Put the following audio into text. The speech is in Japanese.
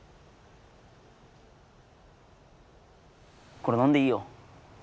これ飲んでいいよ。